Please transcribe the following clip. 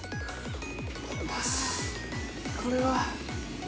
これは。